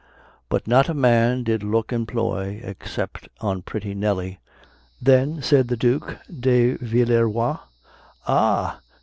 But not a man did look employ, Except on pretty Nelly; Then said the Duke de Villeroi, Ah!